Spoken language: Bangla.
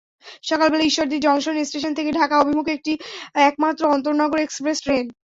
সকালবেলা ঈশ্বরদী জংশন স্টেশন থেকে ঢাকা অভিমুখী এটি একমাত্র আন্তনগর এক্সপ্রেস ট্রেন।